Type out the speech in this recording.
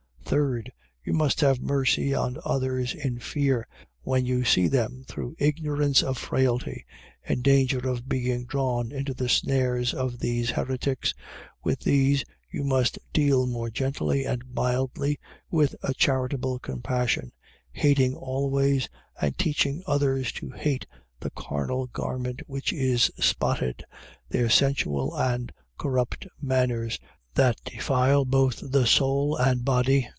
3d, You must have mercy on others in fear, when you see them through ignorance of frailty, in danger of being drawn into the snares of these heretics; with these you must deal more gently and mildly, with a charitable compassion, hating always, and teaching others to hate the carnal garment which is spotted, their sensual and corrupt manners, that defile both the soul and body.